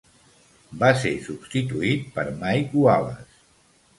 Va ser substituït per Mike Wallace.